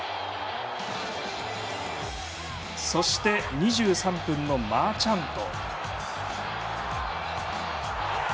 そして、２３分のマーチャント。